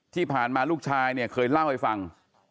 ที่ผ่านมาลูกชายเนี่ยเคยเล่าให้ฟัง